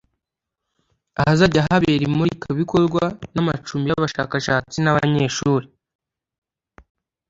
ahazajya habera imurikabikorwa n’amacumbi y’abashakashatsi n’abanyeshuri